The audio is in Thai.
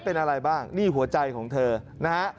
เป็นอะไรบ้างนี่หัวใจของเธอนะฮะ